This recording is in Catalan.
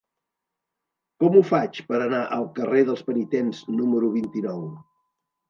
Com ho faig per anar al carrer dels Penitents número vint-i-nou?